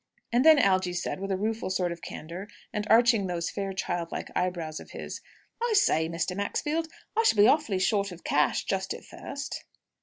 And then Algy said, with a rueful sort of candour, and arching those fair childlike eyebrows of his: "I say, Mr. Maxfield, I shall be awfully short of cash just at first!"